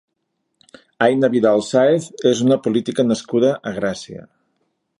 Aina Vidal Sáez és una política nascuda a Gràcia.